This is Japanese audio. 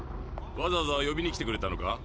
わざわざ呼びに来てくれたのか？